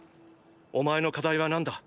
お前の課題は何だ。